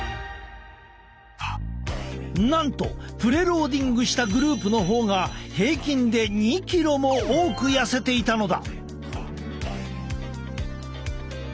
なんとプレ・ローディングしたグループの方が平均で２キロも多く痩せていたのだ。